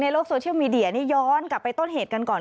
โลกโซเชียลมีเดียนี่ย้อนกลับไปต้นเหตุกันก่อน